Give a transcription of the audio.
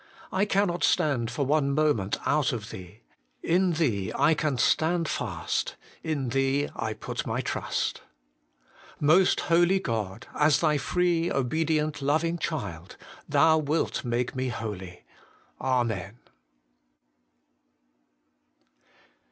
I cannot stand for one moment out of Thee. In Thee I can stand fast : in Thee I put my trust. Most Holy God ! as Thy free, obedient, loving child, Thou wilt make me holy. Amen.